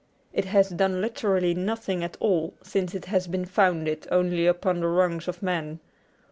It has done literally nothing at all since it has been founded only upon the wrongs of man.